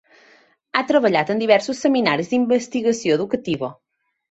Ha treballat en diversos seminaris d'investigació educativa.